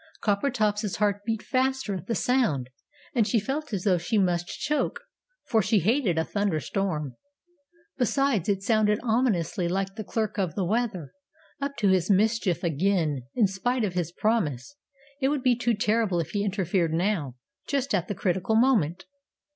Coppertop's heart beat faster at the sound, and she felt as though she must choke, for she hated a thunderstorm. Besides, it sounded ominously like the Clerk of the Weather, up to his mischief again, in spite of his promise. It would be too terrible if he interfered now just at the critical moment.